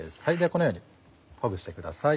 このようにほぐしてください。